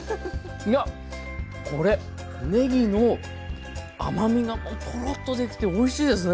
いやこれねぎの甘みがトロッと出てきておいしいですね。